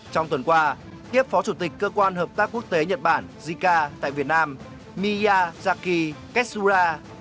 trong tuần qua tiếp phó chủ tịch cơ quan hợp tác quốc tế nhật bản jica tại việt nam miyazaki ketsura